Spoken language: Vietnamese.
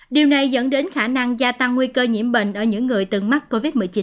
điều này dẫn đến khả năng gia tăng nguy cơ nhiễm bệnh ở những người từng mắc covid một mươi chín